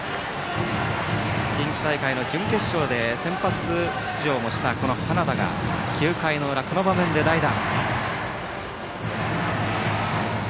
近畿大会の準決勝で先発出場もした花田が９回の裏、この場面で代打。